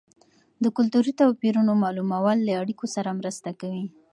د کلتوري توپیرونو معلومول له اړیکو سره مرسته کوي.